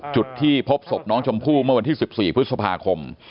จุดที่พบศพน้องชมพู่เมื่อวันที่๑๔พฤษภาคม